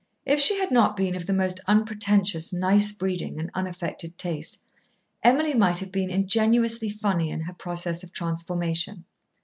If she had not been of the most unpretentious nice breeding and unaffected taste, Emily might have been ingenuously funny in her process of transformation.